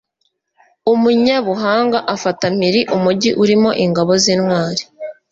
umunyabuhanga afata mpiri umugi urimo ingabo z'intwari